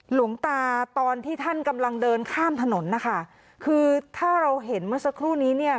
หลวงตาตอนที่ท่านกำลังเดินข้ามถนนนะคะคือถ้าเราเห็นเมื่อสักครู่นี้เนี่ย